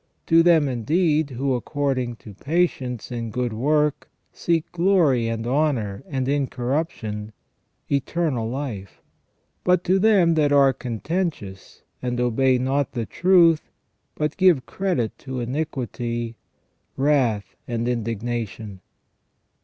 To them, indeed, who according to patience in good work, seek glory and honour and incorruption, eternal life : but to them that are contentious, and obey not the truth, but give credit to iniquity, wrath and indignation.